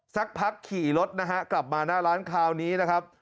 สักพักขี่รถนะฮะกลับมาหน้าร้านคราวนี้นะครับ